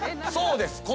そうです。